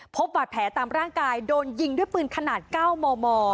พบบาดแผลตามร่างกายโดนยิงด้วยปืนขนาด๙มม